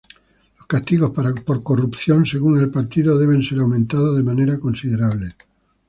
Los castigos para corrupción según el partido deben ser aumentados de manera considerable.